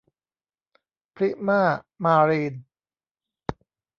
พริมา มารีน